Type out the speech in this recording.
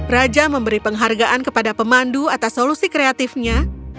raja memberi penghargaan kepada pemandu atas solusi kreatifnya